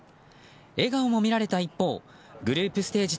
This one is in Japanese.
笑顔も見られた一方グループステージ